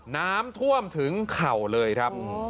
น้ำท่วมถึงเข่าเลยครับ